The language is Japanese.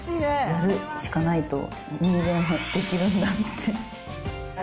やるしかないと人間できるんだって。